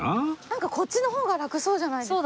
なんかこっちの方がラクそうじゃないです？